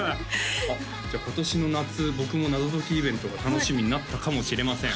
じゃあ今年の夏僕も謎解きイベントが楽しみになったかもしれません